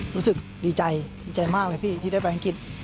รู้สึกดีใจดีใจมากเลยพี่ที่ได้ไปอังกฤษ